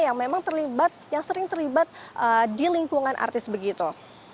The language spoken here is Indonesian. yang memang terlibat yang sering terlibat di lingkungan artis begitu